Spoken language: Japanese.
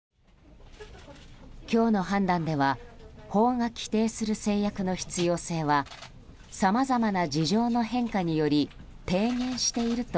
今日の判断では法が規定する制約の必要性はさまざまな事情の変化により低減していると